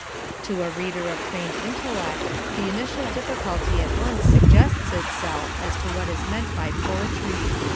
To a reader of trained intellect the initial difficulty at once suggests itself as to what is meant by poetry.